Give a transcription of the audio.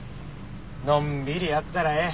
のんびりやったらええ。